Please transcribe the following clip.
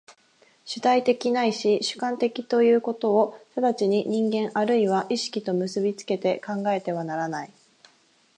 主体的ないし主観的ということを直ちに人間或いは意識と結び付けて考えてはならない。